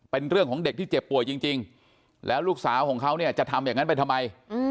เป็นเรื่องของเด็กที่เจ็บป่วยจริงแล้วลูกสาวของเขาเนี่ยจะทำอย่างนั้นไปทำไม